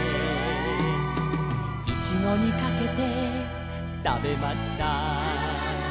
「いちごにかけてたべました」